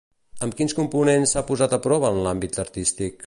Amb quins components s'ha posat a prova en l'àmbit artístic?